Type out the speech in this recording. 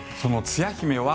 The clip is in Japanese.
つや姫は。